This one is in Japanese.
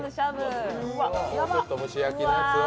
ちょっと蒸し焼きのやつを。